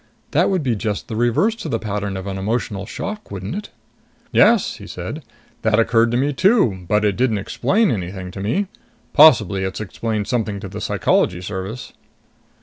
That would be just the reverse to the pattern of an emotional shock, wouldn't it?" "Yes," he said. "That occurred to me too, but it didn't explain anything to me. Possibly it's explained something to the Psychology Service."